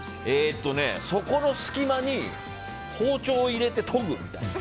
そこの隙間に包丁を入れて研ぐみたいな。